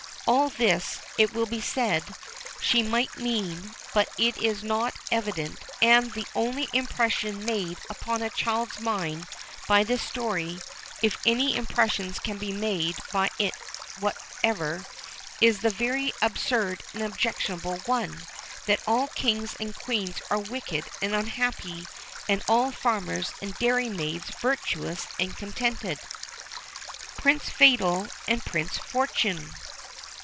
All this, it will be said, she might mean, but it is not evident; and the only impression made upon a child's mind by this story, if any impression can be made by it whatever, is the very absurd and objectionable one, that all kings and queens are wicked and unhappy, and all farmers and dairy maids virtuous and contented. PRINCE FATAL AND PRINCE FORTUNÉ.